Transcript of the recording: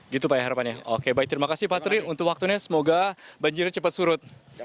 gitu pak ya harapannya oke baik terima kasih pak tri untuk waktunya semoga banjirnya cepat surut